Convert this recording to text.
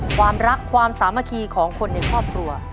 ความรักความสามัคคีของคนในครอบครัว